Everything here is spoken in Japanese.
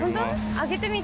上げてみて。